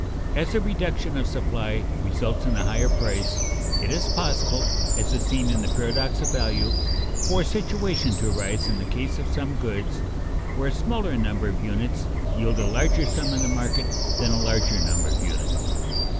As a reduction of supply results in a higher price, it is possible, as is seen in the paradox of value, for a situation to arise in the case of some goods, where a smaller number of units yield a larger sum in the market than a larger number of units.